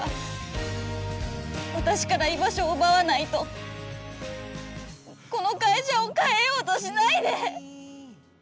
私から居場所を奪わないとこの会社を変えようとしないで！